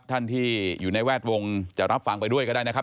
ท่านที่อยู่ในแวดวงจะรับฟังไปด้วยก็ได้นะครับ